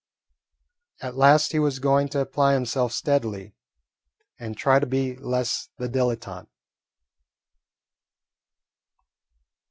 At last he was going to apply himself steadily and try to be less the dilettante.